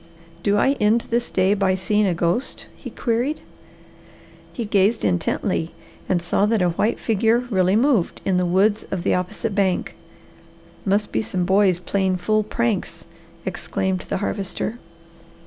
"Do I end this day by seeing a ghost?" he queried. He gazed intently and saw that a white figure really moved in the woods of the opposite bank. "Must be some boys playing fool pranks!" exclaimed the Harvester.